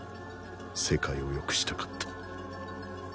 世界を良くしたかった。